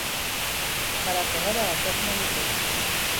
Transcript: ترقهها در اطرافمان میترکیدند.